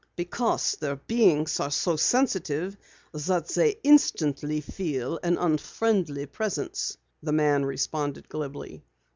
"Because their beings are so sensitive that they instantly feel an unfriendly presence," the man responded glibly.